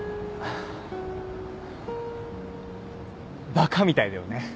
バカみたいだよね。